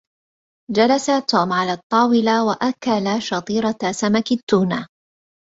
جلس توم على الطاولة وأكل شطيرة سمك التونة.